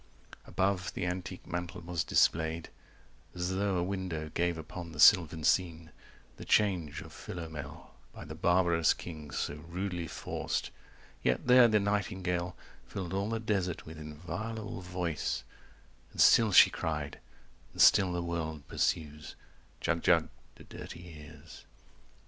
Above the antique mantel was displayed As though a window gave upon the sylvan scene The change of Philomel, by the barbarous king So rudely forced; yet there the nightingale 100 Filled all the desert with inviolable voice And still she cried, and still the world pursues, "Jug Jug" to dirty ears.